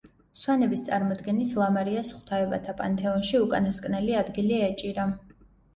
სვანების წარმოდგენით, ლამარიას ღვთაებათა პანთეონში უკანასკნელი ადგილი ეჭირა.